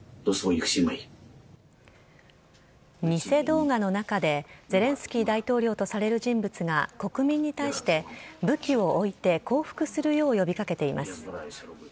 偽動画の中でゼレンスキー大統領とされる人物が国民に対して武器を置いて降伏するよう呼び掛けています。